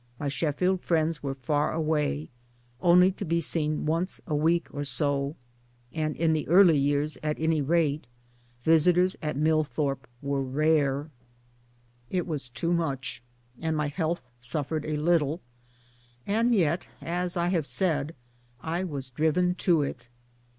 My Sheffield friends were far away, only to, be seen once a week or so, and (in the early years at any rate) visitors at Millthorpe were rare. It was 8 114 MY DAYS AND DREAMS too much, and my health suffered a little ; and yet (as I have said) I was driven to it.